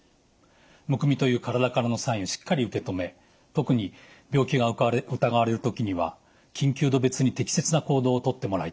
むくみという体からのサインをしっかり受け止め特に病気が疑われる時には緊急度別に適切な行動を取ってもらいたいと思います。